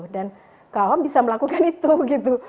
dan ke awam bisa melakukan itu gitu